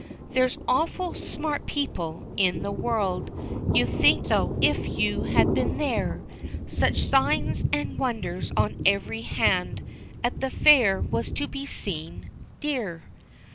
There's awful smart people in the world, You'd think so if you had been there, Such signs and wonders on every hand, At the fair was to be seen, dear.